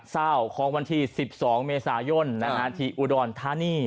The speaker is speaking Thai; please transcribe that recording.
เศร้าของวันที่๑๒เมษายนที่อุดรธานี